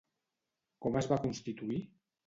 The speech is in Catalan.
Com es va constituir?